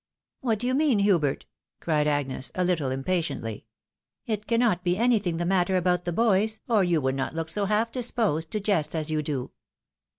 "What do you mean, Hubert?" cried Agnes, a little im patiently ;" it cannot be anything the matter about the boys, or you would not look so half disposed to jest as you do."